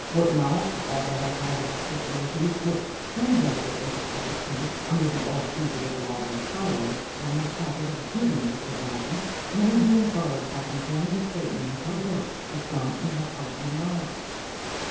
What knowledge the author has had of the facilities which some justices of the peace, under the old fugitive law of Ohio, were in the habit of giving to kidnapping, may be inferred by comparing the statement in her book with some in her personal knowledge.